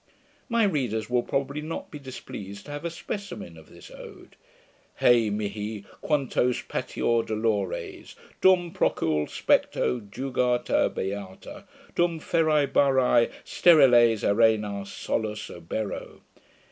My readers will probably not be displeased to have a specimen of this ode: Hei mihi! quantos patior dolores, Dum procul specto juga ter beata; Dum ferae Barrae steriles arenas Solus oberro.